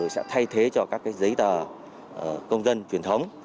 sẽ thay thế cho các giấy tờ công dân truyền thống